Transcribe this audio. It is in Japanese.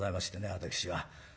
私は。